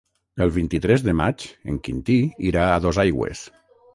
El vint-i-tres de maig en Quintí irà a Dosaigües.